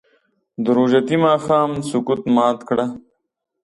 د روژتي ماښام سکوت مات کړه